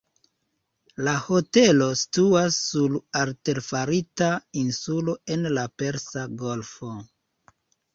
La hotelo situas sur artefarita insulo en la Persa Golfo.